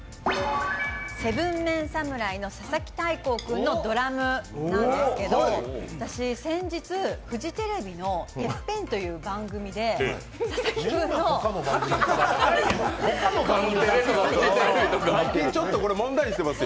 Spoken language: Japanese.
７ＭＥＮ侍の佐々木大光君のドラムなんですけど、私先日、フジテレビの「ＴＥＰＰＥＮ」という番組で、佐々木君の。最近これ、問題になってますよ。